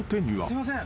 すいません。